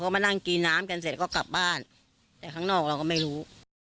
มานั่งกินน้ำกันเสร็จก็กลับบ้านแต่ข้างนอกเราก็ไม่รู้